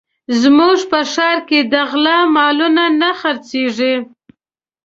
زموږ په ښار کې د غلا مالونه نه خرڅېږي